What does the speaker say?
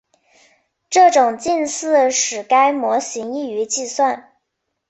这种近似使该模型易于计算。